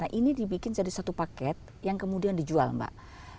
nah ini dibikin jadi satu paket yang kemudian dijual mbak